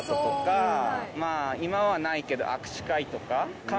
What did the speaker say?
今はないけど握手会とか。